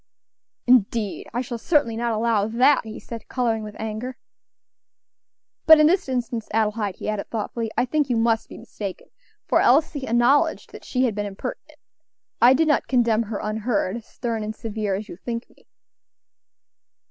"Indeed! I shall certainly not allow that" he said, coloring with anger. "But in this instance, Adelaide," he added thoughtfully, "I think you must be mistaken, for Elsie acknowledged that she had been impertinent. I did not condemn her unheard, stern and severe as you think me."